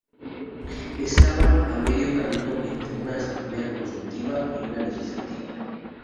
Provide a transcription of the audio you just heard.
Estaban a medio camino entre una asamblea consultiva y una legislativa.